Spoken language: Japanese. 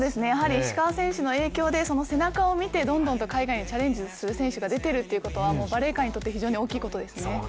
石川選手の影響でその背中を見てどんどん海外にチャレンジする選手が出ているということはバレー界にとっては大きいことですね。